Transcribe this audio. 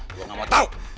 gue gak mau tau